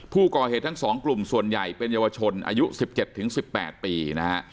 ผู้ก่อเหตุทั้งสองกลุ่มส่วนใหญ่เป็นเยาวชนอายุสิบเจ็ดถึงสิบแปดปีนะฮะ